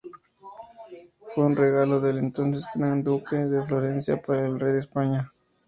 Fue un regalo del entonces gran duque de Florencia para el rey de España.